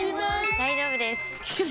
大丈夫です！